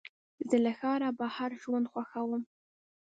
زه له ښاره بهر ژوند خوښوم.